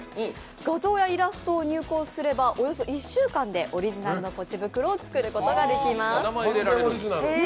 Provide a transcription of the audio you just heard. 画像やイラストを入稿すればおよそ１週間でオリジナルのポチ袋を作ることができます。